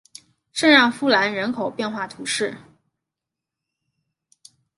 圣让夫兰人口变化图示